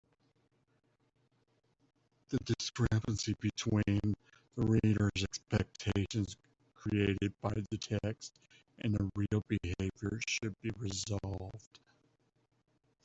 The discrepancy between reader’s expectations created by the text and the real behaviour should be resolved.